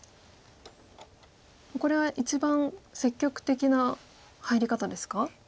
これは一番積極的な入り方ですか？